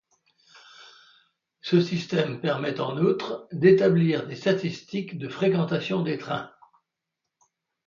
Ce système permet en outre d'établir des statistiques de fréquentation des trains.